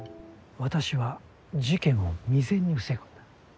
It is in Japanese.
私は事件を未然に防ぐんだ。